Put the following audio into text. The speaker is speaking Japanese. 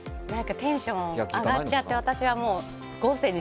テンション上がっちゃって私は豪勢に。